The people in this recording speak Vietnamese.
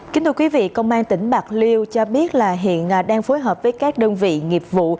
kính thưa quý vị công an tỉnh bạc liêu cho biết là hiện đang phối hợp với các đơn vị nghiệp vụ